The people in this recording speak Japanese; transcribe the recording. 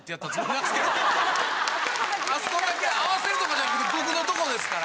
あそこだけ合わせるとこじゃなくて僕のとこですから。